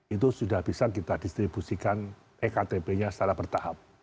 itu sudah bisa kita distribusikan ektp nya